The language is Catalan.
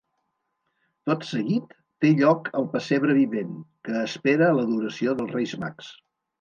Tot seguit, té lloc el pessebre vivent, que espera l'adoració dels reis Mags.